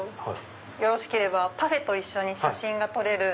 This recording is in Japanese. よろしければパフェと一緒に写真が撮れる。